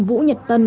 đối tượng đối tượng